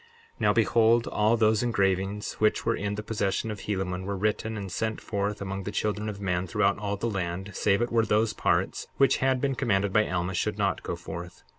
63:12 Now behold, all those engravings which were in the possession of Helaman were written and sent forth among the children of men throughout all the land, save it were those parts which had been commanded by Alma should not go forth.